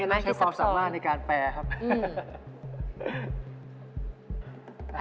ไม่ใช่พร้อมสามารถในการแปรครับ